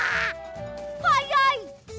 はやい！